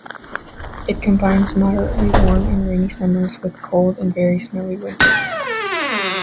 It combines moderately warm and rainy summers with cold and very snowy winters.